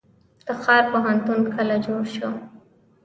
تخار پوهنتون کله جوړ شو؟